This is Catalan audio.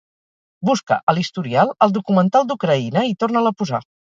Busca a l'historial el documental d'Ucraïna i torna'l a posar.